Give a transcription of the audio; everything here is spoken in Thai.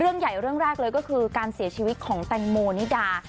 เรื่องใหญ่เรื่องแรกเลยก็คือการเสียชีวิตของแตงโมนิดา